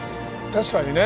確かにね。